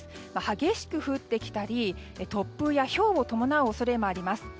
激しく降ってきたり、突風やひょうを伴う恐れもあります。